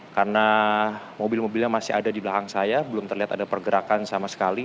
karena mobil mobilnya masih ada di belakang saya belum terlihat ada pergerakan sama sekali